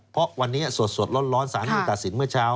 เพราะวันนี้สดร้อนสารเพิ่งตัดสินเมื่อเช้า